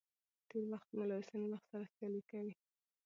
تېر وخت مو له اوسني وخت سره سيالي کوي.